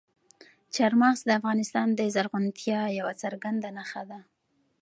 چار مغز د افغانستان د زرغونتیا یوه څرګنده نښه ده.